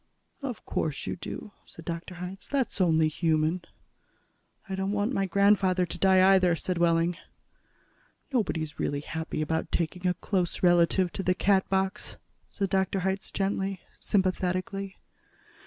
"Of course you do," said Dr. Hitz. "That's only human." "I don't want my grandfather to die, either," said Wehling. "Nobody's really happy about taking a close relative to the Catbox," said Dr. Hitz gently, sympathetically.